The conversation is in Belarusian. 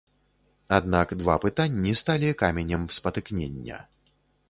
Аднак два пытанні сталі каменем спатыкнення.